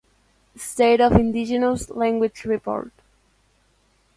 State of Indigenous Language Report